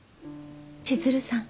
千鶴さん？